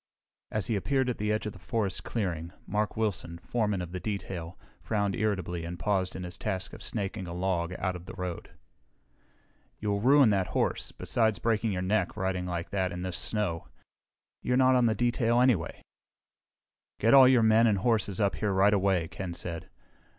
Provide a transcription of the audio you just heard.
As he appeared at the edge of the forest clearing, Mark Wilson, foreman of the detail, frowned irritably and paused in his task of snaking a log out to the road. "You'll ruin that horse, besides breaking your neck, riding like that in this snow. You're not on detail, anyway." "Get all your men and horses up here right away," Ken said.